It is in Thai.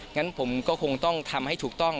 งั้นผมก็คงต้องทำให้ถูกต้อง